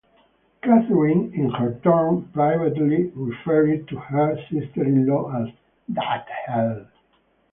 Catherine, in her turn, privately referred to her sister-in-law as "that Hell".